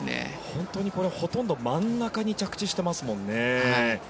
本当に、ほとんど真ん中に着地してますもんね。